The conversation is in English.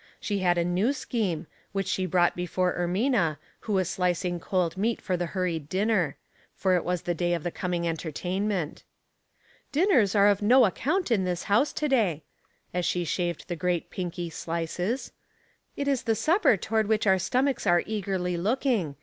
She had a new scheme, which she brought before Ermina, who was slicing cold meat for the hurried dinner; for it was the day of the coming entertainment. Dinners are of no account in this house to day," ac she shaved the great pinky slices. "It is the supper toward which our stomachs are eagerly looking.